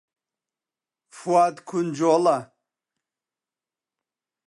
فواد کونجکۆڵە.